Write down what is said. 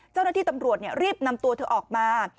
เจ้าหน้าที่ตำรวจรีบนำตัวเธอออกมา